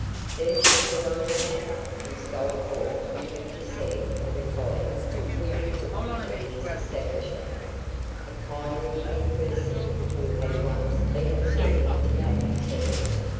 Then she put on her hat and stole forth to intercede for the collie with the cook of his establishment, a kindly looking person, who had once been observed to pat his head.